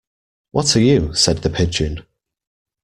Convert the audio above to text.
What are you?’ said the Pigeon.